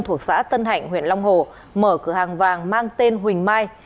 thuộc xã tân hạnh huyện long hồ mở cửa hàng vàng mang tên huỳnh mai